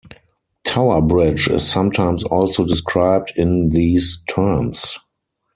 Tower Bridge is sometimes also described in these terms.